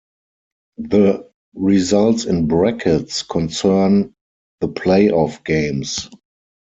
The results in brackets concern the playoff games.